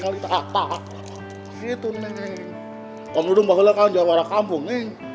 lo diselamat lagi